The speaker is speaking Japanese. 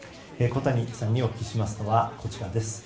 小谷さんにお聞きしますのはこちらです。